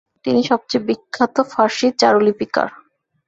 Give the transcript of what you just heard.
তিনি সবচেয়ে বিখ্যাত ফার্সি চারুলিপিকার।